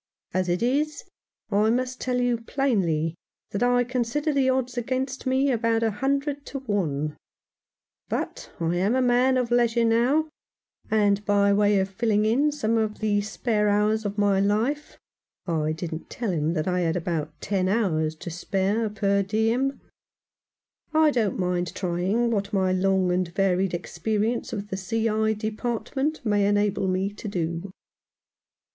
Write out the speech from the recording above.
"As it is, I must tell you plainly that I consider the odds against me about a hundred to one ; but I am a man of leisure now, and by way of filling in some of the spare hours of my life" — I didn't tell him that I had about ten hours to spare per diem — "I don't 182 Mr. Faunces Record. mind trying what my long and varied experience in the C. I. Department may enable me to do."